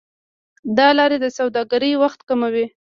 دا لارې د سوداګرۍ وخت کموي.